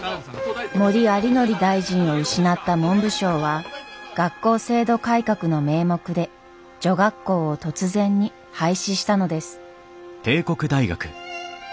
森有礼大臣を失った文部省は学校制度改革の名目で女学校を突然に廃止したのです。